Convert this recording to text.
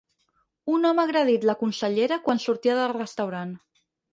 Un home ha agredit la consellera quan sortia del restaurant.